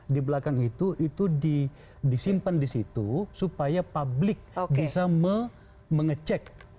di belakang itu itu disimpan di situ supaya publik bisa mengecek